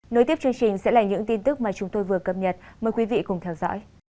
nối tiếp chương trình sẽ là những tin tức mà chúng tôi vừa cập nhật mời quý vị cùng theo dõi